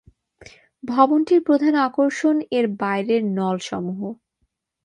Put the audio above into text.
ভবনটির প্রধান আকর্ষণ এর বাইরের নলসমুহ।